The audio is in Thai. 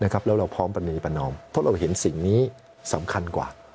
แล้วเราพร้อมปรณีประนอมเพราะเราเห็นสิ่งนี้สำคัญกว่า